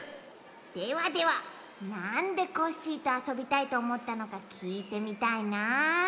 ではではなんでコッシーとあそびたいとおもったのかきいてみたいなあ。